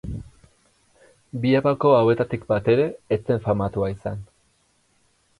Bi abako hauetatik batere, ez zen famatua izan.